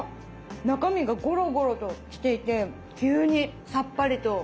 中身がゴロゴロとしていて急にさっぱりとして。